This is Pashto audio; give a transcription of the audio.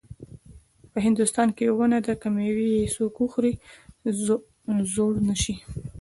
په هندوستان کې یوه ونه ده که میوه یې څوک وخوري زوړ نه شي.